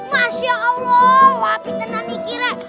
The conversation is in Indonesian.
masya allah wabitenan ini rek